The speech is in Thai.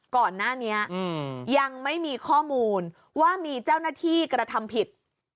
ก่อนหน้านี้ยังไม่มีข้อมูลว่ามีเจ้าหน้าที่กระทำผิด